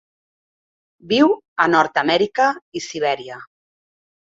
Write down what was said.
Viu a Nord-amèrica i Sibèria.